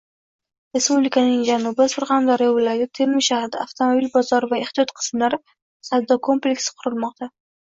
Respublikaning janubi, Surxondaryo viloyati Termiz shahrida avtomobil bozori va ehtiyot qismlari savdo kompleksi qurilmoqda